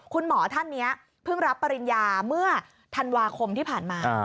คุณหมอท่านนี้เพิ่งรับปริญญาเมื่อธันวาคมที่ผ่านมา